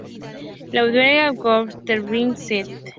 Lauderdale, George Town, Kingston, St.